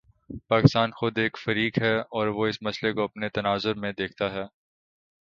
پاکستان خود ایک فریق ہے اور وہ اس مسئلے کو اپنے تناظر میں دیکھتا ہے۔